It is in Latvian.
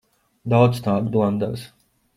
Daudz tādu blandās.